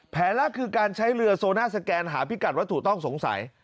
แรกคือการใช้เรือโซน่าสแกนหาพิกัดวัตถุต้องสงสัย